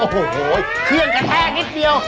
โหคืองกระแทกนิดเดียว